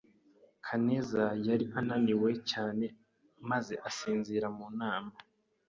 Kaneza yari ananiwe cyane maze asinzira mu nama.